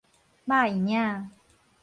肉圓仔